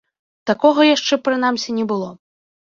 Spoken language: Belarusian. Такога яшчэ, прынамсі, не было.